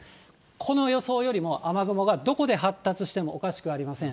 この予想よりも雨雲がどこで発達してもおかしくありません。